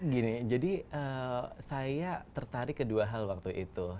gini jadi saya tertarik kedua hal waktu itu